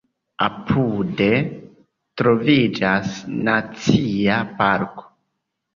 Apude troviĝas Nacia parko.